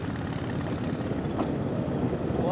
うわ！